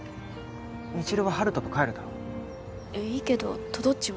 未知留は温人と帰るだろいいけどとどっちは？